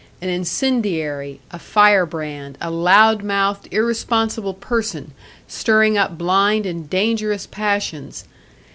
An incendiary, a fire brand, a loudmouthed, irresponsible person, stirring up blind and dangerous passions!